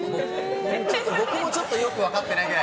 僕もちょっとよく分かってないぐらい。